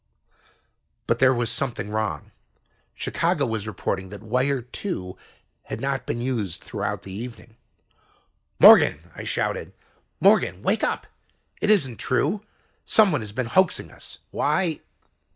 But there was something wrong. Chicago was reporting that Wire Two had not been used throughout the evening. "Morgan!" I shouted. "Morgan! Wake up, it isn't true. Some one has been hoaxing us. Why..."